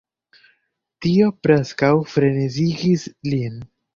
Tio preskaŭ frenezigis lin.